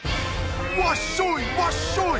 わっしょいわっしょい！